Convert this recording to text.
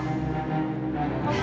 ayam aku saja